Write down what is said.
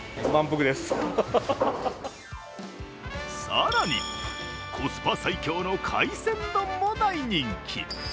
更に、コスパ最強の海鮮丼も大人気。